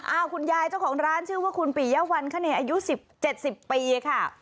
คุณยายเจ้าของร้านชื่อว่าคุณปิยะวันคะเนยอายุสิบเจ็ดสิบปีค่ะ